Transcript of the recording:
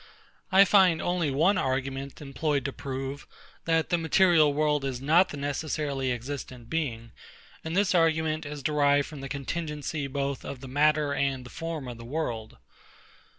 I find only one argument employed to prove, that the material world is not the necessarily existent Being: and this argument is derived from the contingency both of the matter and the form of the world.